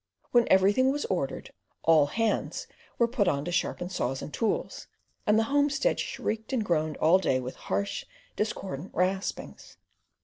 When everything necessary was ordered, "all hands" were put on to sharpen saws and tools, and the homestead shrieked and groaned all day with harsh, discordant raspings.